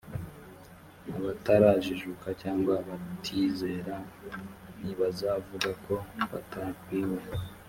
abatarajijuka cyangwa abatizera ntibazavuga ko batabwiwe